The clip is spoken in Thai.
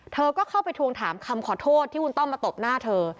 เธอก็เข้าไปทวงถามคำขอโทษที่คุณต้อมมาตบหน้าเธอ